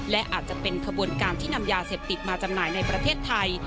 และอาจจะเป็นขบวนการที่นำยาเสพติดมาจำหน่ายในประเทศไทย